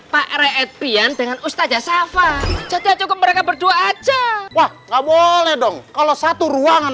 pak rai edbian dengan ustazah safa jatuh mereka berdua aja wah nggak boleh dong kalau satu ruangan